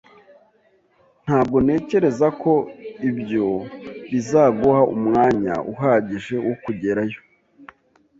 Ntabwo ntekereza ko ibyo bizaguha umwanya uhagije wo kugerayo.